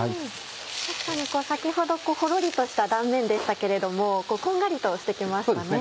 確かに先ほどほろりとした断面でしたけれどもこんがりとして来ましたね。